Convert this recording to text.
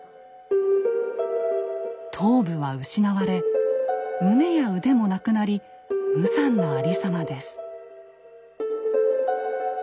頭部は失われ胸や腕もなくなり無残なありさまです。